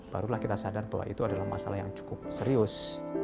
barulah kita sadar bahwa itu adalah masalah yang cukup serius